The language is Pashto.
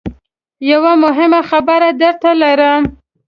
یوه مهمه خبره درته لرم .